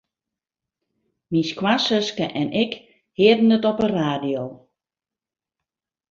Myn skoansuske en ik hearden it op de radio.